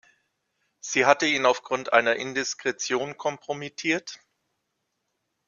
Sie hatte ihn aufgrund einer Indiskretion kompromittiert.